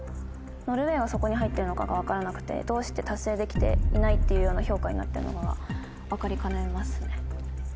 ノルウェーがそこに入ってるのかが分からなくてどうして達成できていないっていうような評価になってるのかが分かりかねますね。